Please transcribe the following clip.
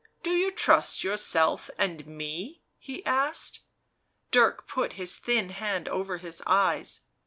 Do you trust yourself and me?" he asked. Dirk put his thin hand over his eyes.